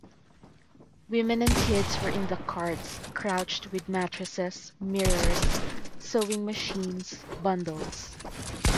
Women and kids were in the carts crouched with mattresses, mirrors, sewing machines, bundles.